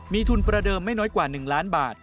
มีทุนประเดิมไม่น้อยกว่า๑ล้านบาท